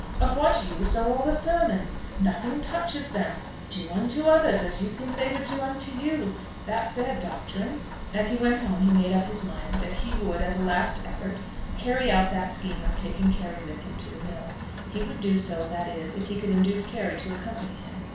"Of what use are all the sermons? Nothing touches them. Do unto others as you think they would do unto you. That's their doctrine." As he went home he made up his mind that he would, as a last effort, carry out that scheme of taking Carry with him to the mill; he would do so, that is, if he could induce Carry to accompany him.